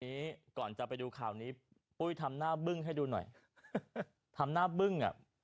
นี้ก่อนจะไปดูข่าวนี้ปุ้ยทำหน้าบึ้งให้ดูหน่อยทำหน้าบึ้งอ่ะ